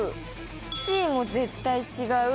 Ｃも絶対違う。